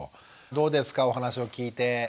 どうですかお話を聞いて。